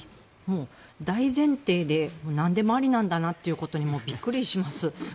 大前提でなんでもありなんだなということにもびっくりします。